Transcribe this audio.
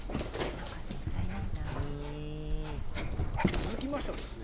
続きましてはですね